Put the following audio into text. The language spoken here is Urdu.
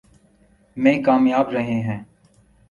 میں کامیاب رہے ہیں۔